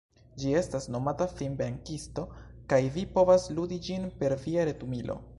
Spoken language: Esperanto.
Ĝi estas nomata Finvenkisto kaj vi povas ludi ĝin per via retumilo.